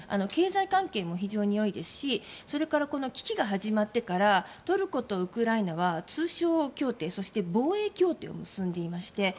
経済関係も非常にいいですしそれから、危機が始まってからトルコとウクライナは通商協定、そして防衛協定を結んでいまして